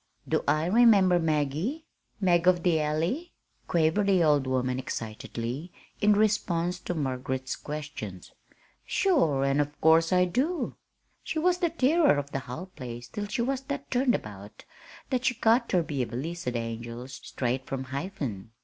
"Do I remember 'Maggie'? 'Mag of the Alley'?" quavered the old woman excitedly in response to Margaret's questions. "Sure, an' of course I do! She was the tirror of the hull place till she was that turned about that she got ter be a blissed angel straight from Hiven.